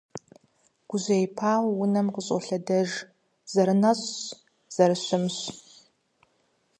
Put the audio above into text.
Гужьеипауэ, унэм къыщӀолъэдэж, зэрынэщӀщ, зэрыщымщ…